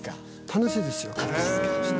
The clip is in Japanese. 楽しいですよ。